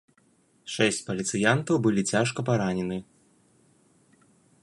Шэсць паліцыянтаў былі цяжка паранены.